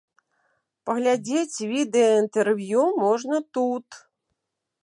Паглядзець відэаінтэрв'ю можна тут.